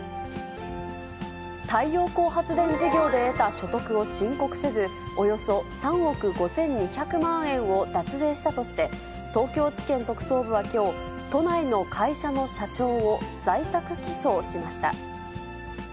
太陽光発電事業で得た所得を申告せず、およそ３億５２００万円を脱税したとして、東京地検特捜部はきょう、都内の会社の社長を在宅起訴しました。